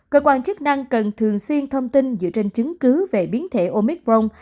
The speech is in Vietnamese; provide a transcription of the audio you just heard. cơ quan chức năng cần thường xuyên thông tin dựa trên chứng cứ về biến thể omicron